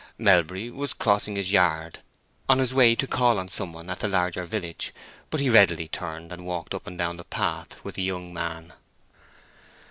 Melbury was crossing his yard on his way to call on some one at the larger village, but he readily turned and walked up and down the path with the young man.